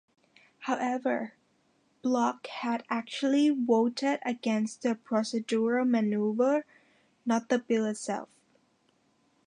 However, Block had actually voted against a procedural maneuver, not the bill itself.